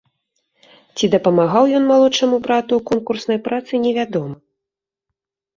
Ці дапамагаў ён малодшаму брату ў конкурснай працы, невядома.